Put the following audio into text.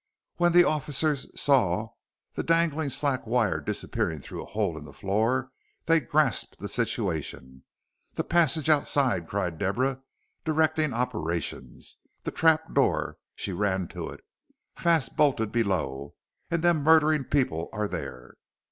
When the officers saw the dangling slack wire disappearing through a hole in the floor they grasped the situation. "The passage outside!" cried Deborah, directing operations; "the trap door," she ran to it, "fast bolted below, and them murdering people are there."